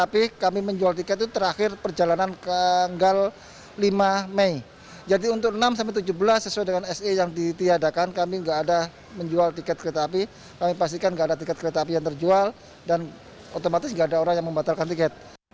pertanyaan dari pak tki